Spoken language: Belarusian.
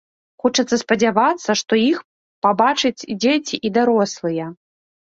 Хочацца спадзявацца, што іх пабачаць і дзеці і дарослыя.